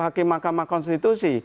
hakim mahkamah konstitusi